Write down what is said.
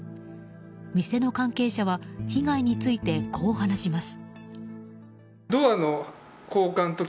店の関係者は被害についてこう話します。